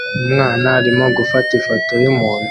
Umwana arimo gufata ifoto yumuntu